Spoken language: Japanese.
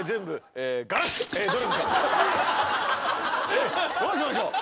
えどうしましょう？